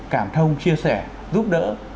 cảm thông chia sẻ giúp đỡ